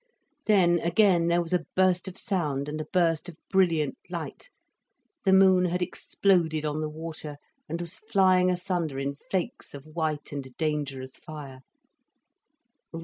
Then again there was a burst of sound, and a burst of brilliant light, the moon had exploded on the water, and was flying asunder in flakes of white and dangerous fire.